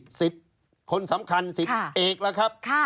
ศิษฐ์คนสำคัญศิษฐ์เอกนะครับ